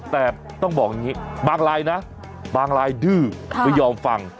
แต่ต้องบอกอย่างนี้บางรายนะบางรายดื้อไม่ยอมฟัง